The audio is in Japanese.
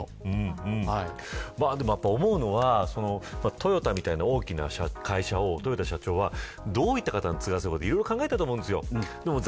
思うのはトヨタみたいな大きな会社を豊田社長は、どういった方に継がせようと考えたと思います。